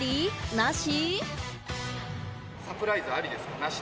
なし？